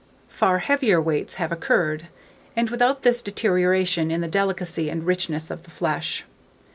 Far heavier weights have occurred, and without any deterioration in the delicacy and richness of the flesh.